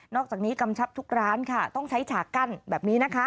อกจากนี้กำชับทุกร้านค่ะต้องใช้ฉากกั้นแบบนี้นะคะ